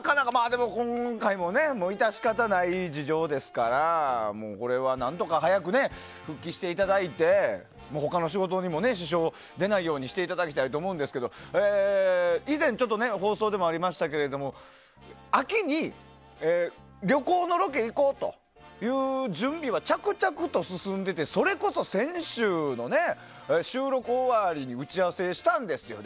でも今回も致し方ない事情ですからこれは何とか早く復帰していただいて他の仕事にも支障出ないようにしていただきたいと思うんですけども以前、ちょっと放送でもありましたけど秋に旅行のロケ行こうという準備は着々と進んでてそれこそ先週の収録終わりに打ち合わせしたんですよ。